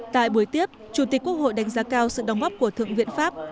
tại buổi tiếp chủ tịch quốc hội đánh giá cao sự đóng góp của thượng viện pháp